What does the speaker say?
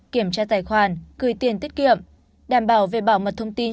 kiểm tra tài khoản gửi tiền tiết kiệm đảm bảo về bảo mật thông tin